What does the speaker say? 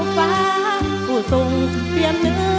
คนไทยรักชาและศาสนาชาติองเจ้าภูทรงเพียงเหนือนาวุ่น